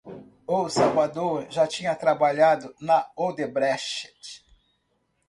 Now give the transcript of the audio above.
O Salvador já tinha trabalhado na Odebrecht.